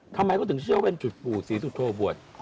ทำไมเขาถึงเชื่อว่าเป็นจุดปู่ศรีสุโธบวช